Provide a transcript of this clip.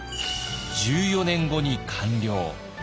１４年後に完了。